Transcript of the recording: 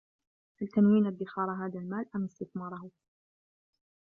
هل تنوين ادّخار هذا المال أم استثماره؟